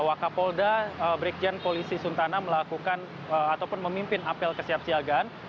wakapolda brikjen polisi suntana melakukan ataupun memimpin apel kesiapsiagaan